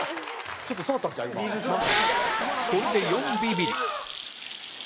これで４ビビリ